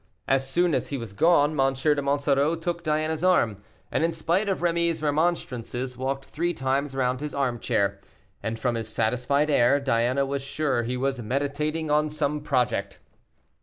As soon as he was gone, M. de Monsoreau took Diana's arm, and in spite of Rémy's remonstrances walked three times round his armchair; and, from his satisfied air, Diana was sure he was meditating on some project.